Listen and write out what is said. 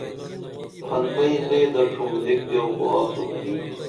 پھن بئیں لے دڇُھم ایک دیو خو آڅو گنی